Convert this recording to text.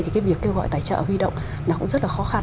thì cái việc kêu gọi tài trợ huy động là cũng rất là khó khăn